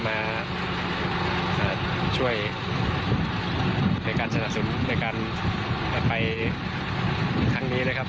มาช่วยในการสนับสนุนในการไปครั้งนี้นะครับ